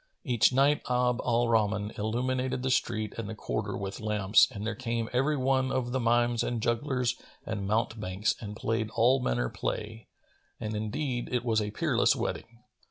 Each night Abd al Rahman illuminated the street and the quarter with lamps and there came every one of the mimes and jugglers and mountebanks and played all manner play; and indeed it was a peerless wedding.